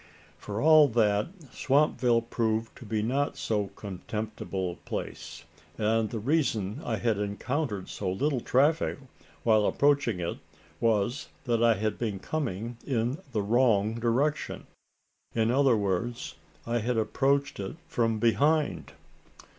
For all that, Swampville proved to be not so contemptible a place; and the reason I had encountered so little traffic, while approaching it, was that I had been coming in the wrong direction in other words, I had approached it from behind.